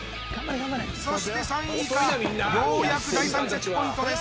そして３位以下ようやく第３チェックポイントです。